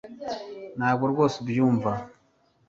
Ntabwo rwose ubyumva